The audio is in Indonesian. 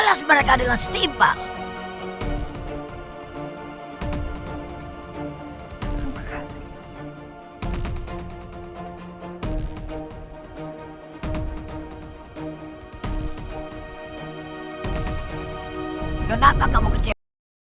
aku memang sangat sakit hati dan kecewa pada jayadi